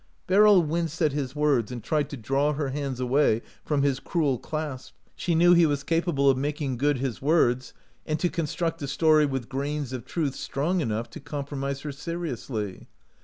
Beryl winced at his words and tried to draw her hands away from his cruel clasp. She knew he was capable of making good his words and to construct a story with grains of truth strong enough to compromise her seriously.